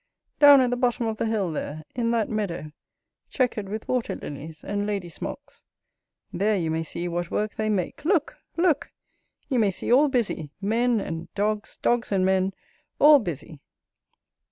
down at the bottom of the hill there, in that meadow, chequered with water lilies and lady smocks; there you may see what work they make; look! look! you may see all busy; men and dogs; dogs and men; all busy.